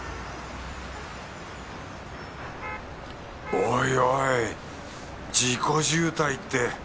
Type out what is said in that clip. おいおい事故渋滞って。